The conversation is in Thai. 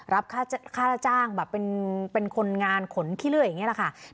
รับค่าจ้างแบบเป็นคนงานขนขี้เลื่อยอย่างนี้แหละค่ะ